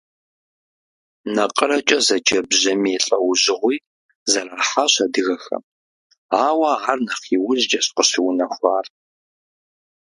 НакъырэкӀэ зэджэ бжьамий лӀэужьыгъуи зэрахьащ адыгэхэм, ауэ ар нэхъ иужьыӀуэкӀэщ къыщыунэхуар.